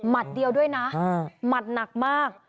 เดียวด้วยนะหมัดหนักมาก